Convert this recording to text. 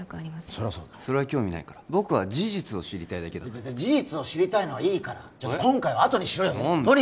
それはそうだそれは興味ないから僕は事実を知りたいだけだ事実を知りたいのはいいから今回はあとにしろよ何で？